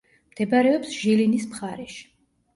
მდებარეობს ჟილინის მხარეში.